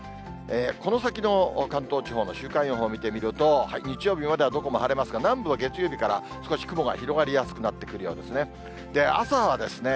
この先の関東地方の週間予報見てみると、日曜日まではどこも晴れますが、南部は月曜日から少し雲が広がりやすくなってくるようですね。